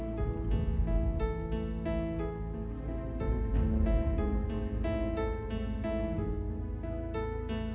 kamu gak boleh yuk kesel sama ibu sama bapak